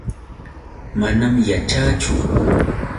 Manam yaćhaachu.